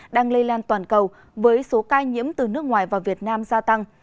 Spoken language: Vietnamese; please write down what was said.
đang lây lan toàn cầu với số ca nhiễm từ nước ngoài vào việt nam gia tăng